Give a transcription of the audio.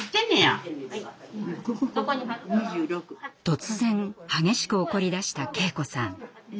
突然激しく怒りだした敬子さん。